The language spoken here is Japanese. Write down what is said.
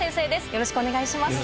よろしくお願いします。